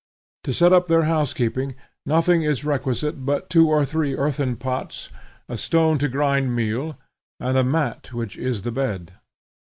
To set up their housekeeping nothing is requisite but two or three earthen pots, a stone to grind meal, and a mat which is the bed.